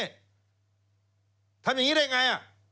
ทำอย่างนี้ได้ไง